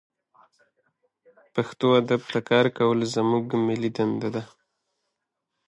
پښتو ادب ته کار کول زمونږ ملي دنده ده